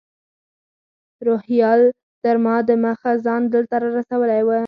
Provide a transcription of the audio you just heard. روهیال تر ما دمخه ځان دلته رارسولی و.